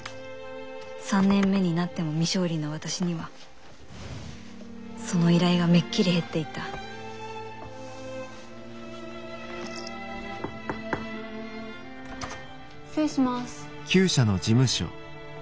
３年目になっても未勝利の私にはその依頼がめっきり減っていた失礼します。